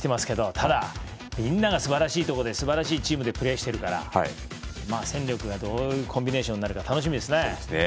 ただ、みんながすばらしいチームでプレーしているから戦力が、どういうコンビネーションになるか楽しみですね。